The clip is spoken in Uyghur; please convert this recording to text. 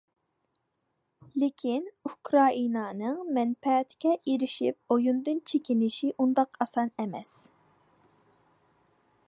لېكىن ئۇكرائىنانىڭ مەنپەئەتكە ئېرىشىپ ئويۇندىن چېكىنىشى ئۇنداق ئاسان ئەمەس.